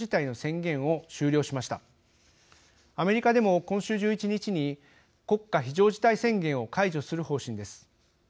アメリカでも今週１１日に国家非常事態宣言を解除する方針です。